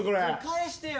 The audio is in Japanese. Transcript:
返してよ。